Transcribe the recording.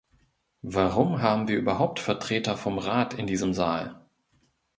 Warum haben wir überhaupt Vertreter vom Rat in diesem Saal?